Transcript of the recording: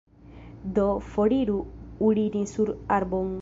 Do foriru urini sur arbon!